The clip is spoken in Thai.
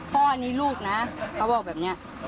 พ่ออันนี้ลูกนะเขาบอกแบบนี้